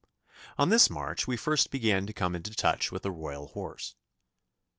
On this march we first began to come into touch with the Royal horse.